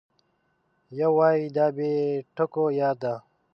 یو وای دا بې ټکو یا ده